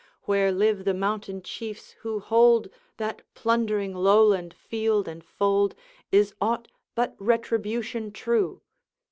Where live the mountain Chiefs who hold That plundering Lowland field and fold Is aught but retribution true?